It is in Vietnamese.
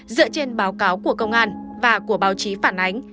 dựa trên báo cáo của công an và của báo chí phản ánh